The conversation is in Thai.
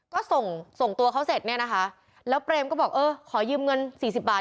ก็ส่งส่งตัวเขาเสร็จเนี่ยนะคะแล้วเปรมก็บอกเออขอยืมเงินสี่สิบบาท